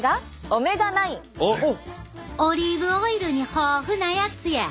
オリーブオイルに豊富なやつや。